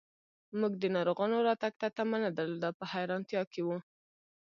موږ د ناروغانو راتګ ته تمه نه درلوده، په حیرانتیا کې و.